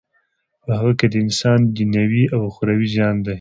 په هغه کی د انسان دینوی او اخروی زیان دی.